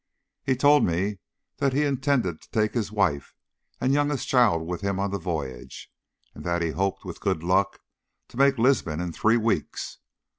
He told me that he intended to take his wife and youngest child with him on the voyage, and that he hoped with good luck to make Lisbon in three weeks.